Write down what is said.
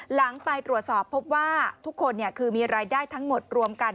หลังไปตรวจสอบพบว่าทุกคนคือมีรายได้ทั้งหมดรวมกัน